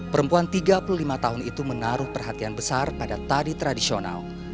perempuan tiga puluh lima tahun itu menaruh perhatian besar pada tari tradisional